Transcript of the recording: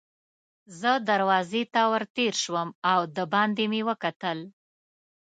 زه دروازې ته ور تېر شوم او دباندې مې وکتل.